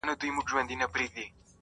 • لا خو زما او د قاضي یوشان رتبه ده..